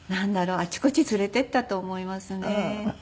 あちこち連れて行ったと思いますね。